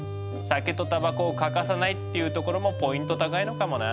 酒とタバコを欠かさないっていうところもポイント高いのかもな。